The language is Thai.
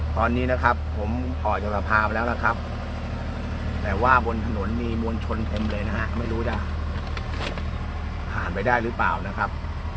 ตอนนี้นะครับผมออกจากสภาไปแล้วนะครับแต่ว่าบนถนนมีมวลชนเต็มเลยนะฮะไม่รู้จะผ่านไปได้หรือเปล่านะครับ